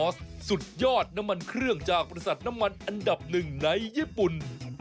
สุดยอดน้ำมันเครื่องจากบริษัทน้ำมันอันดับหนึ่งในญี่ปุ่น